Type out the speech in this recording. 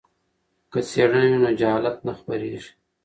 که څیړنه وي نو جهالت نه خپریږي.